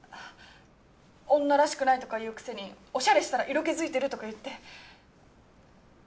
「女らしくない」とか言うくせにオシャレしたら色気づいてるとか言って。